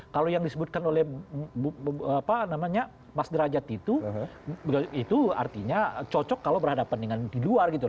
kalau yang disebutkan oleh mas derajat itu itu artinya cocok kalau berhadapan dengan di luar gitu loh